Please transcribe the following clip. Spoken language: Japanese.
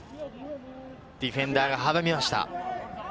ディフェンダーが阻みました。